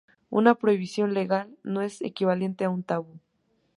Una prohibición legal no es equivalente a un tabú.